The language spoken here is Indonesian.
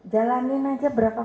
jalanin aja berapa